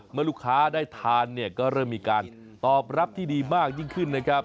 เมื่อลูกค้าได้ทานเนี่ยก็เริ่มมีการตอบรับที่ดีมากยิ่งขึ้นนะครับ